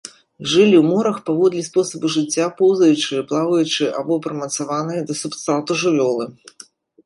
Жылі ў морах, паводле спосабу жыцця поўзаючыя, плаваючыя або прымацаваныя да субстрату жывёлы.